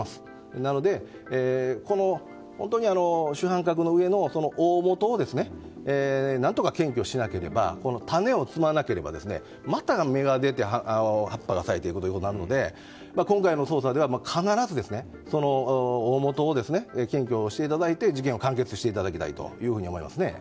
なので、主犯格の上の大元を何とか検挙しなければ種を摘まなければまた身が出て葉っぱが咲いていくということになるので今回の捜査では必ず大元を検挙していただいて、事件を解決していただきたいと思います。